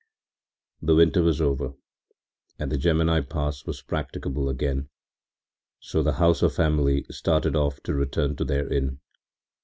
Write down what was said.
The winter was over and the Gemmi Pass was practicable again, so the Hauser family started off to return to their inn.